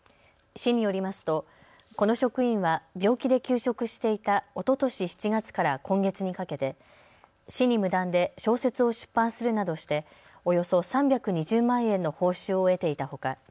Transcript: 市によりますとこの職員は病気で休職していたおととし７月から今月にかけて市に無断で小説を出版するなどしておよそ３２０万円の報酬を得ていたほか